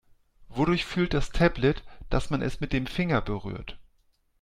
Wodurch fühlt das Tablet, dass man es mit dem Finger berührt?